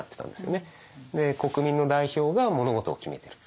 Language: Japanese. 国民の代表が物事を決めてる。